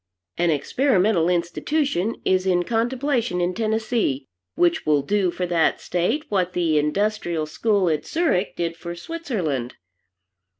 An experimental institution is in contemplation in Tennessee which will do for that state what the Industrial School at Zurich did for Switzerland.